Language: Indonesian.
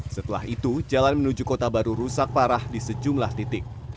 setelah itu jalan menuju kota baru rusak parah di sejumlah titik